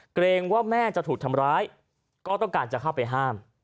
เกรงว่าแม่จะถูกทำร้ายก็ต้องการจะเข้าไปห้าม